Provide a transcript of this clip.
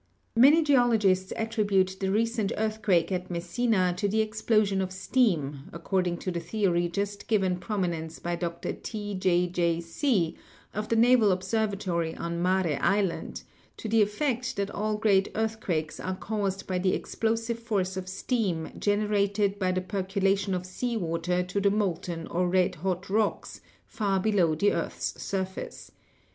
Many geologists attribute the recent earthquake at Mes sina to the explosion of steam, according to the theory just given prominence by Dr. T. J. J. See, of the naval observatory on Mare Island, to the effect that all great earthquakes are caused by the explosive force of steam generated by the percolation of sea water to the molten or red hot rocks far below the earth's surface.